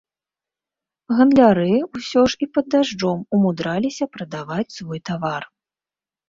Гандляры ўсё ж і пад дажджом умудраліся прадаваць свой тавар.